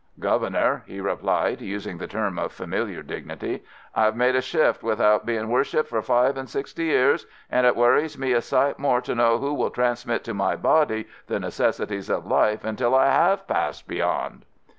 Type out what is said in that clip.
"Governor," he replied, using the term of familiar dignity, "I've made shift without being worshipped for five and sixty years, and it worries me a sight more to know who will transmit to my body the necessities of life until I HAVE Passed Beyond."